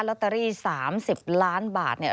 ลอตเตอรี่๓๐ล้านบาทเนี่ย